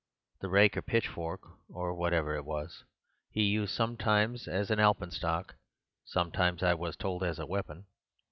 The rake or pitchfork, or whatever it was, he used sometimes as an alpenstock, sometimes (I was told) as a weapon.